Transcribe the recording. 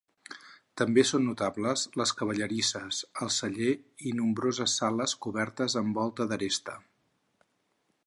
També són notables les cavallerisses, el celler i nombroses sales cobertes amb volta d'aresta.